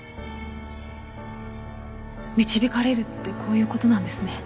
導かれるってこういう事なんですね。